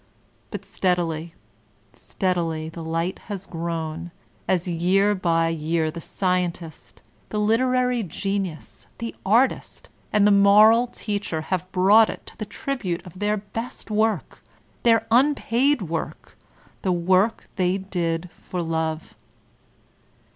But steadily, steadily the light has grown, as year by year the scientist, the literary genius, the artist, and the moral teacher, have brought to it the tribute of their best work, their unpaid work, the work they did for love.